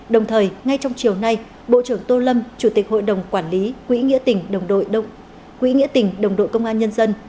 đồng thời ngay trong chiều nay bộ trưởng tô lâm chủ tịch hội đồng quản lý quỹ nghĩa tỉnh đồng đội công an nhân dân